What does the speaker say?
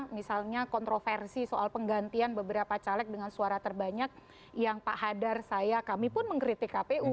misalnya kontroversi soal penggantian beberapa caleg dengan suara terbanyak yang pak hadar saya kami pun mengkritik kpu